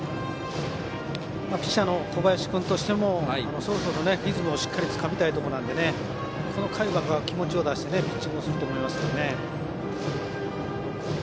ピッチャーの小林君としてもそろそろリズムをしっかりつかみたいところなのでこの回は気持ちを出してピッチングをすると思いますね。